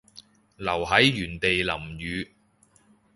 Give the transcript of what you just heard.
留喺原地淋雨